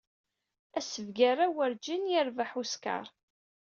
Asebgar-a werjin yerbeḥ uskaṛ.